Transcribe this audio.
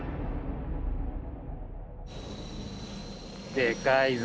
でかいぞ。